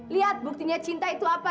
lihat buktinya cinta itu apa